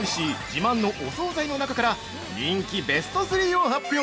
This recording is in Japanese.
自慢のお総菜の中から人気ベスト３を発表！